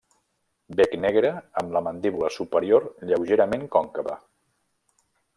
Bec negre amb la mandíbula superior lleugerament còncava.